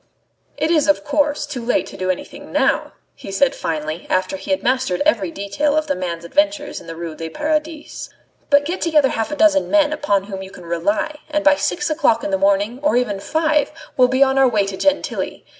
"It is, of course, too late to do anything now," he said finally, after he had mastered every detail of the man's adventures in the Ruelle du Paradis; "but get together half a dozen men upon whom you can rely, and by six o'clock in the morning, or even five, we'll be on our way to Gentilly.